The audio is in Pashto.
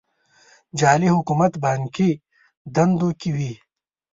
جعلي محکوميت بانکي دندو کې وي.